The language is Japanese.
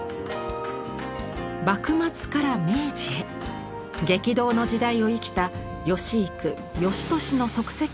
幕末から明治へ激動の時代を生きた芳幾芳年の足跡をたどる展覧会です。